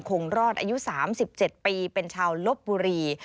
คงรอดอายุ๓๗ปีเป็นชาวลบบุรี